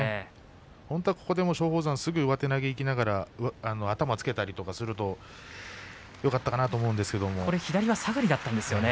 本当はここで松鳳山を上手投げにいって頭をつけたりするとよかったかなと思うんですけど左はさがりだったんですね。